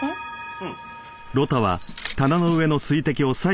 うん。